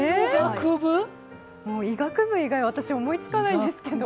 医学部以外、私思いつかないんですけど。